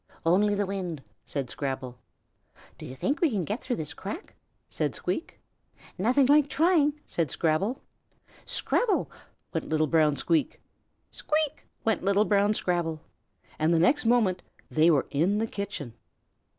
"Only the wind!" said Scrabble. "Do you think we can get through the crack?" said Squeak. "Nothing like trying!" said Scrabble. "Scrabble!" went little brown Squeak. "Squeak!" went little brown Scrabble. And the next moment they were in the kitchen.